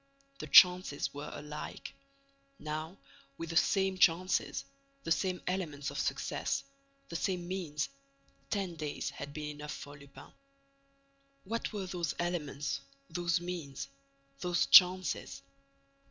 The chances were alike. Now, with the same chances, the same elements of success, the same means, ten days had been enough for Lupin. What were those elements, those means, those chances?